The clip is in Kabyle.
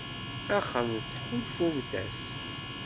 Axemt, ḥulfumt-as.